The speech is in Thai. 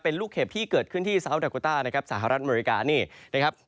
เป็นลูกเห็บที่เกิดขึ้นที่ซาวดาโกต้านะครับสหรัฐอเมริกานี่นะครับ